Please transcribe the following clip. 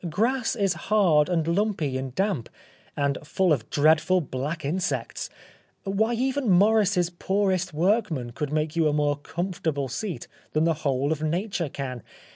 Grass is hard and lumpy and damp, and full of dreadful black insects. Why even Morris's poorest workman could make you a more comfortable seat than the whole of Nature can.